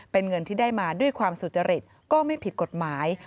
เป็นเงินที่ได้มาด้วยความสุจริตก็ไม่ผิดกฎหมาย